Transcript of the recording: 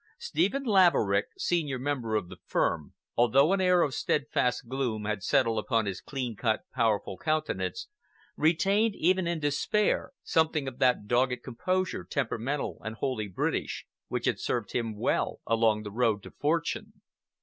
Stephen Laverick, senior member of the firm, although an air of steadfast gloom had settled upon his clean cut, powerful countenance, retained even in despair something of that dogged composure, temperamental and wholly British, which had served him well along the road to fortune.